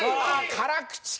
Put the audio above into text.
辛口か。